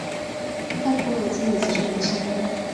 在托尔金的其中一个山峰。